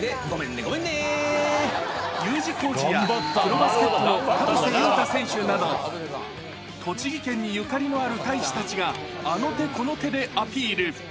Ｕ字工事や、プロバスケットの田臥勇太選手など、栃木県にゆかりのある大使たちが、あの手この手でアピール。